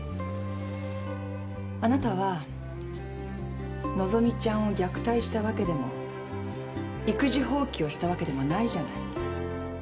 あなたは和希ちゃんを虐待したわけでも育児放棄をしたわけでもないじゃない。